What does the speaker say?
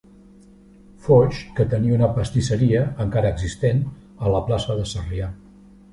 Foix, que tenia una pastisseria, encara existent, a la plaça de Sarrià.